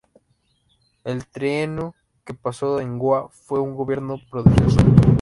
El trienio que pasó en Goa fue un gobierno prodigioso.